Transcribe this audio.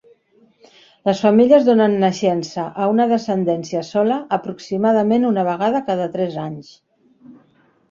Les femelles donen naixença a una descendència sola aproximadament una vegada cada tres anys.